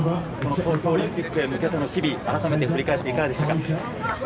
東京オリンピックに向けての日々を振り返っていかがですか？